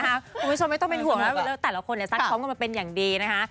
คุณผู้ชมไม่ต้องเป็นห่วงนะเวลาแต่ละคนซักซ้อมกันมาเป็นอย่างดีนะคะ